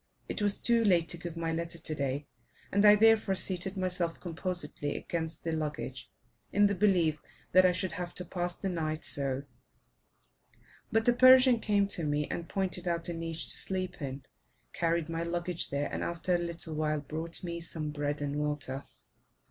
It was too late to give my letter today, and I therefore seated myself composedly against the luggage, in the belief that I should have to pass the night so; but a Persian came to me and pointed out a niche to sleep in, carried my luggage there, and, after a little while, brought me some bread and water.